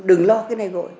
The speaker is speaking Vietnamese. đừng lo cái này gọi